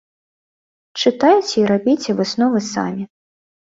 Чытайце і рабіце высновы самі.